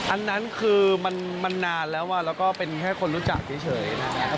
อันนั้นคือมันนานแล้วแล้วก็เป็นแค่คนรู้จักเฉยนะครับ